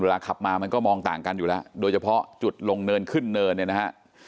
ขับมามันก็มองต่างกันอยู่แล้วโดยเฉพาะจุดลงเนินขึ้นเนินเนี่ยนะฮะ